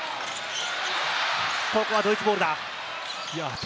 ここはドイツボールだ。